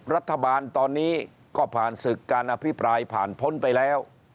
รัฐบาลตอนนี้ก็ผ่านศึกการอภิปรายผ่านพ้นไปแล้ว